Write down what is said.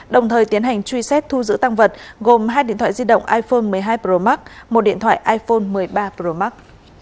đồng thời tiến hành truy xét thu giữ tăng vật gồm hai điện thoại di động iphone một mươi hai pro max một điện thoại iphone một mươi ba pro max